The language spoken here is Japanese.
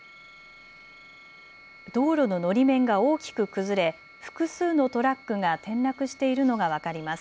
道路ののり面が大きく崩れ複数のトラックが転落しているのが分かります。